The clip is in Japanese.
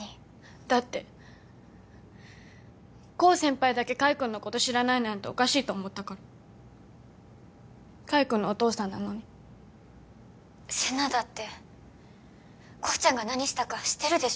だってコウ先輩だけ海くんのこと知らないなんておかしいと思ったから海くんのお父さんなのに世奈だってコウちゃんが何したか知ってるでしょ？